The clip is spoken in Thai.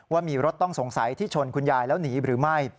ว่ามีรถต้องสงสัยที่ชนคุณยายแล้วหนีหรือไม่